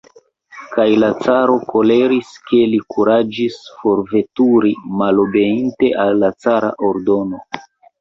Kaj la caro koleris, ke li kuraĝis forveturi, malobeinte al la cara ordono.